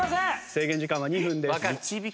制限時間は２分です。